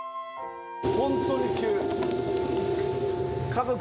本当に急。